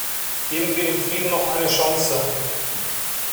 Geben wir dem Frieden noch eine Chance.